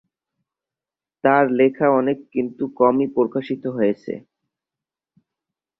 তার লেখা অনেক কিন্তু কমই প্রকাশিত হয়েছে।